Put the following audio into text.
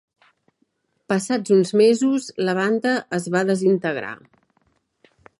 Passats uns mesos, la banda es va desintegrar.